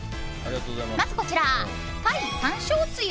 まずこちら、鯛山椒つゆ。